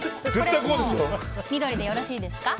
緑でよろしいですか。